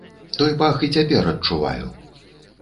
Той пах і цяпер адчуваю.